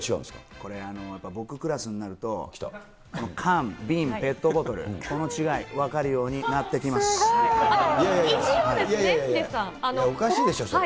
これ、やっぱ僕クラスになると、缶、瓶、ペットボトル、この違い、分かるようになってきすごい。